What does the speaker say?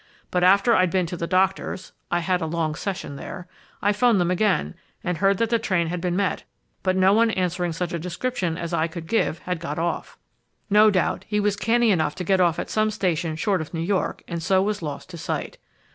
But after I'd been to the doctor's (I had a long session there) I 'phoned them again and heard that the train had been met, but no one answering such description as I could give had got off. No doubt he was canny enough to get off at some station short of New York and so was lost to sight.